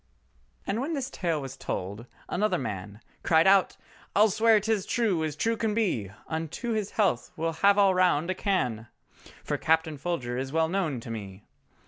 And when this tale was told, another man Cried out, "I'll swear 'tis true as true can be, Unto his health we'll have all round a can! For Captain Folger is well known to me.